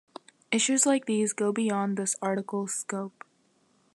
Issues like these go beyond this articles scope.